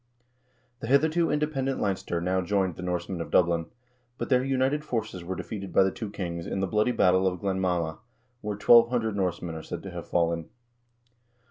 The hitherto independent Leinster now joined the Norsemen of Dublin, but their united forces were defeated by the two kings in the bloody battle of Glenmama, where 1200 Norsemen are said to have fallen.